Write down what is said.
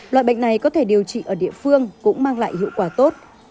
loại bệnh này có thể điều trị ở địa phương cũng mang lại hiệu quả tốt